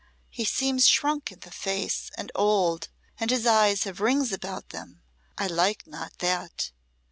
He seems shrunk in the face and old, and his eyes have rings about them. I like not that.